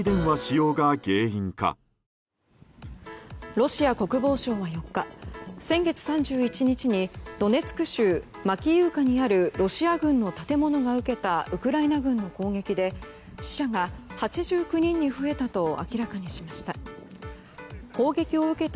ロシア国防省は４日先月３１日にドネツク州マキイウカにあるロシア軍の建物が受けたウクライナ軍の攻撃で死者が８９人に増えたと明らかにしました。